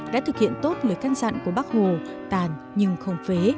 đã thực hiện tốt lời căn dặn của bác hồ tàn nhưng không phế